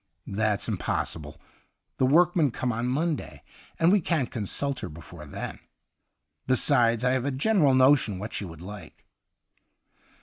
' That's impossible. The work men come on Monday, and we can't consult her before then. Besides, I have a general notion what she would like.'